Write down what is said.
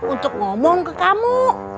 untuk ngomong ke kamu